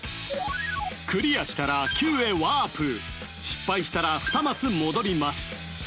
クリアしたら９へワープ失敗したら２マス戻ります